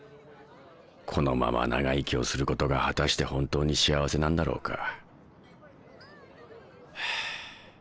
このまま長生きをすることが果たして本当に幸せなんだろうか。は。